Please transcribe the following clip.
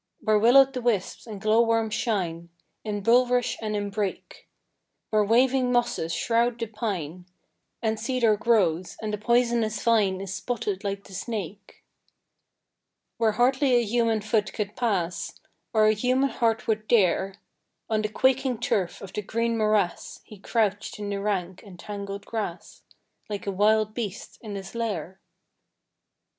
Where will o' the wisps and glowworms shine, In bulrush and in brake; Where waving mosses shroud the pine, And the cedar grows, and the poisonous vine Is spotted like the snake; Where hardly a human foot could pass, Or a human heart would dare, On the quaking turf of the green morass He crouched in the rank and tangled grass, Like a wild beast in his lair.